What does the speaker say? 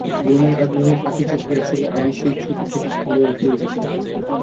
বোনের আগ্রহে পাকেচক্রে আসলে আমি সেই ছোট থেকেই খেলোয়াড় হয়ে গেলাম।